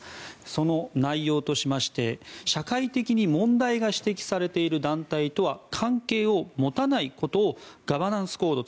その内容としまして社会的に問題が指摘されている団体とは関係を持たないことをガバナンスコード